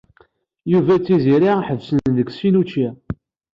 Yuba d Tiziri ḥebsen deg sin učči.